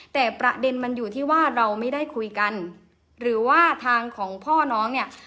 แต่ประเด็นมันอยู่ที่ว่าเราไม่ได้คุยกันหรือว่าทางของพ่อน้องเนี่ย